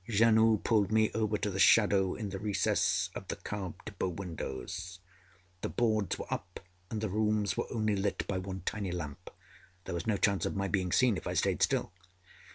Janoo pulled me over to the shadow in the recess of the carved bow windows. The boards were up, and the rooms were only lit by one tiny lamp. There was no chance of my being seen if I stayed still.